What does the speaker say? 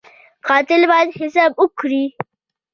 قاتل باید حساب ورکړي